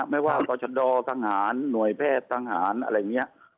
ไม่ว่าประชาโดทางหารหน่วยแพทย์ทางหารอะไรเงี้ย